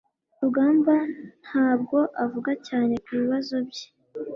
rugamba ntabwo avuga cyane kubibazo bye